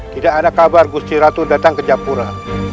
tidak ada kabar gusti ratu datang ke japura